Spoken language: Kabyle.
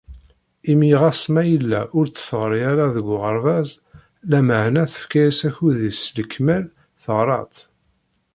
Imi ɣas ma yella ur tt-teɣri ara deg uɣerbaz, lameεna tefka-s akud-is s lekmal, teɣṛa-tt.